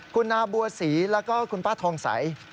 คุณนาบัวศรีแล้วก็คุณป้าทองใส